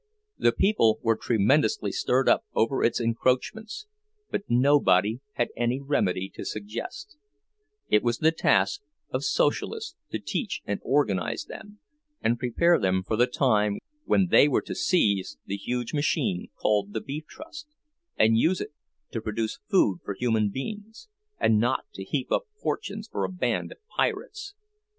The people were tremendously stirred up over its encroachments, but nobody had any remedy to suggest; it was the task of Socialists to teach and organize them, and prepare them for the time when they were to seize the huge machine called the Beef Trust, and use it to produce food for human beings and not to heap up fortunes for a band of pirates.